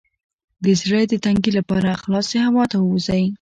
د زړه د تنګي لپاره خلاصې هوا ته ووځئ